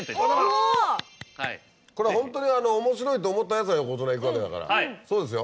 これはホントに面白いと思ったやつが横綱いくわけだからそうですよ。